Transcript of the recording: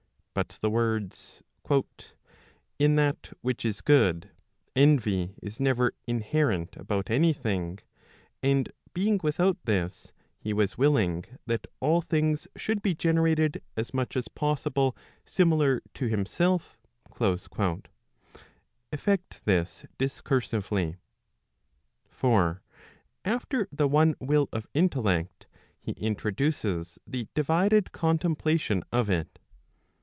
But the words, " In that which is good, envy is never inherent about any thing ; and being without this, he was willing that all things should be generated as much as possible similar to himself," effect this discursively. 1 For after the one will of intellect, he introduces the divided contemplation of it.